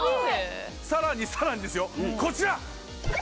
さらにさらにですよこちら！